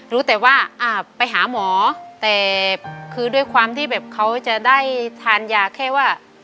รู้แต่ว่าอ่าไปหาหมอแต่คือด้วยความที่แบบเขาจะได้ทานยาแค่ว่า